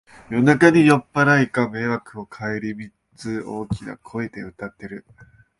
夜中に酔っぱらいが迷惑をかえりみず大きな声で歌ってる